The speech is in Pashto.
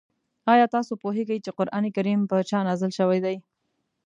آیا تاسو پوهېږئ چې قرآن کریم په چا نازل شوی دی؟